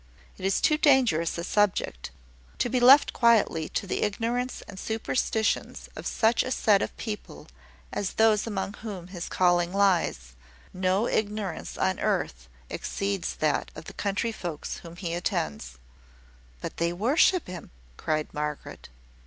It is too dangerous a subject to be left quietly to the ignorance and superstitions of such a set of people as those among whom his calling lies. No ignorance on earth exceeds that of the country folks whom he attends." "But they worship him," cried Margaret.